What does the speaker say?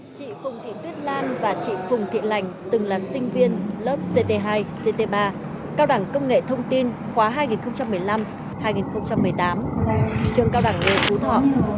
chị phùng thị tuyết lan và chị phùng thị lành từng là sinh viên lớp ct hai ct ba cao đẳng công nghệ thông tin khóa hai nghìn một mươi năm hai nghìn một mươi tám trường cao đẳng nghề phú thọ